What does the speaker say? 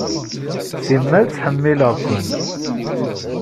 Simmal ttḥemmileɣ-ken.